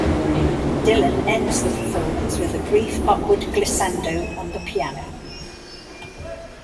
Dylan ends the performance with a brief upward glissando on the piano.